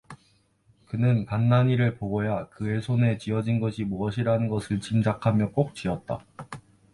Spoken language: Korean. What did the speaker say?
그는 간난이를 보고야 그의 손에 쥐어진 것이 무엇이라는 것을 짐작하며 꼭 쥐었다.